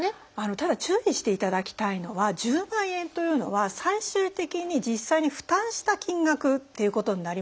ただ注意していただきたいのは１０万円というのは最終的に実際に負担した金額っていうことになりますので。